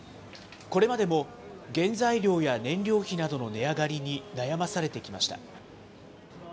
これまでも原材料や燃料費などの値上がりに悩まされてきました。